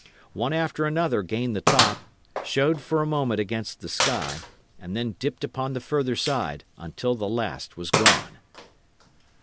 One after another gained the top, showed for a moment against the sky, and then dipped upon the further side, until the last was gone.